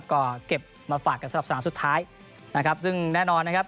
ก็เก็บมาฝากกันสำหรับสนามสุดท้าย